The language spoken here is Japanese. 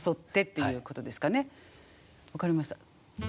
分かりました。